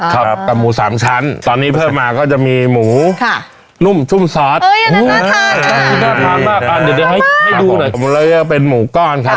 ที่พวกผู้หญิงเขาชอบทานกันเนอะ